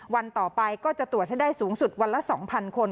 วันต่อไปก็จะตรวจให้ได้สูงสุดวันละ๒๐๐คน